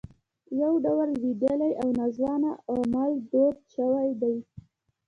یو ډول لوېدلي او ناځوانه اعمال دود شوي دي.